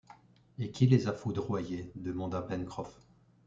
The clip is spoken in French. Et qui les a foudroyés?... demanda Pencroff.